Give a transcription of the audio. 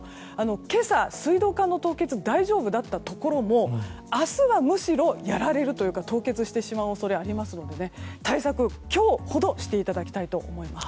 今朝、水道管の凍結が大丈夫だったところも明日はむしろやられるというか凍結してしまう恐れがあるので対策、今日ほどしていただきたいと思います。